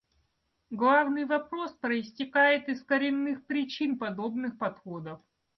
Главный вопрос проистекает из коренных причин подобных подходов.